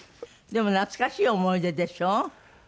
でも懐かしい思い出でしょ？